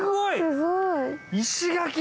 すごい！